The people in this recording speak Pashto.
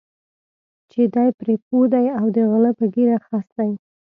چې دی پرې پوه دی او د غله په ږیره خس دی.